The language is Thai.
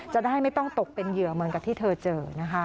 จะได้ไม่ต้องตกเป็นเหยื่อเหมือนกับที่เธอเจอนะคะ